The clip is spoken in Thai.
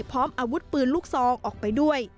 พร้อมอาวุธปืนลูกซองออกไปด้วย